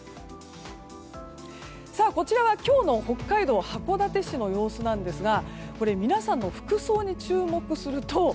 こちらは、今日の北海道函館市の様子なんですが皆さんの服装に注目すると。